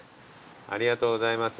ありがとうございます。